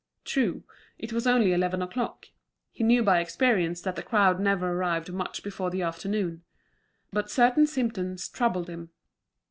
True, it was only eleven o'clock; he knew by experience that the crowd never arrived much before the afternoon. But certain symptoms troubled him.